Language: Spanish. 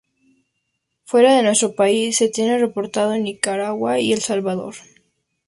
Fuera de nuestro país se tiene reportado en Nicaragua y el Salvador.